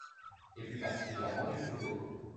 Et plus particulièrement du football.